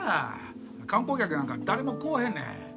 観光客なんか誰も来おへんねん。